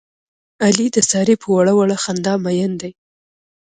علي د سارې په وړه وړه خندا مین دی.